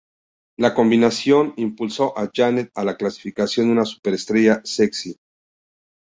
La combinación impulsó a Janet a la clasificación de una superestrella sexi.